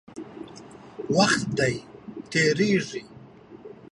وخت دی، تېرېږي.